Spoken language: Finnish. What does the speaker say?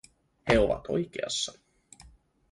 He ovat oikeassa.